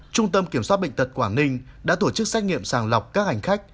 trung tâm kiểm soát bệnh tật quảng ninh đã tổ chức xét nghiệm sàng lọc các hành khách